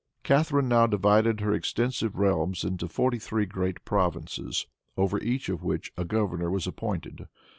Catharine now divided her extensive realms into forty three great provinces, over each of which a governor was appointed.